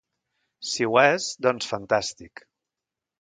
Si ho és, doncs fantàstic.